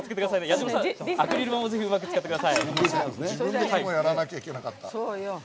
アクリル板ぜひ使ってください。